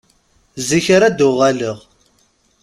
Zik ara d-uɣeleɣ.